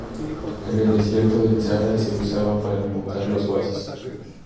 En el desierto del Sahara se usaban para alimentar los oasis.